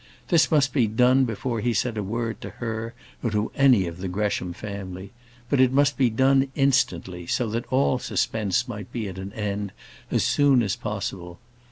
This must be done before he said a word to her or to any of the Gresham family; but it must be done instantly, so that all suspense might be at an end as soon as possible.